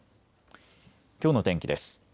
きょうの天気です。